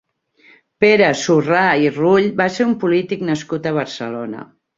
Pere Surrà i Rull va ser un polític nascut a Barcelona.